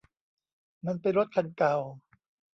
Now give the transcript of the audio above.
มันเป็นรถคันเก่า